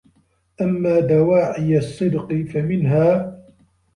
أَمَّا دَوَاعِي الصِّدْقِ فَمِنْهَا